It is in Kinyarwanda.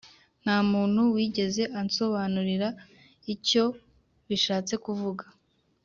nta muntu wigeze ansobanurira icyo bishatse kuvuga,